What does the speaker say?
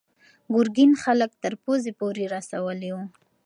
ګرګین خلک تر پوزې پورې رسولي وو.